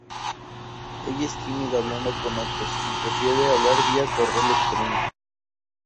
Ella es tímida hablando con otros y prefiere hablar vía correo electrónico.